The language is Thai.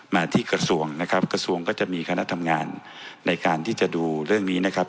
มาที่กระทรวงนะครับกระทรวงก็จะมีคณะทำงานในการที่จะดูเรื่องนี้นะครับ